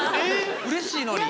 うれしいのに。